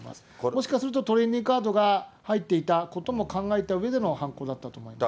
もしかすると、トレーディングカードが入っていたことも考えたうえでの犯行だったと思いますね。